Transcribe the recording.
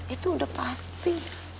itu udah pasti